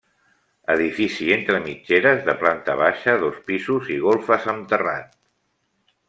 Edifici entre mitgeres de planta baixa, dos pisos i golfes amb terrat.